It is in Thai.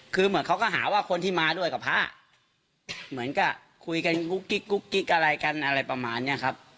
คือเหมือนเขาก็หาว่าคนที่มาด้วยกับพระเหมือนกับคุยกันกุ๊กกิ๊กกุ๊กกิ๊กอะไรกันอะไรประมาณนี้ครับ